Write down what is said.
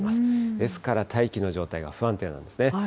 ですから大気の状態が不安定なんですね。